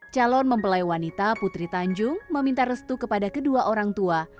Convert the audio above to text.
calon mempelai wanita putri tanjung meminta restu kepada kedua orang tua